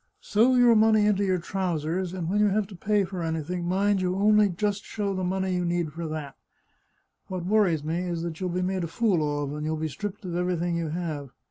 Sew your money into your trousers, and when you have to pay for anything, 64 The Chartreuse of Parma mind you only show just the money you need for that. What worries me is that you'll be made a fool of, and you'll be stripped of everything you have.